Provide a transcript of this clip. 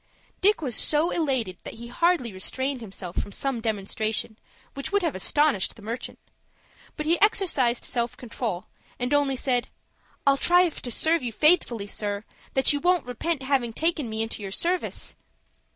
Dick was so elated that he hardly restrained himself from some demonstration which would have astonished the merchant; but he exercised self control, and only said, "I'll try to serve you so faithfully, sir, that you won't repent having taken me into your service."